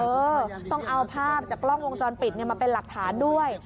เออต้องเอาภาพจากกล้องวงจรปิดมาเป็นหลักฐานด้วย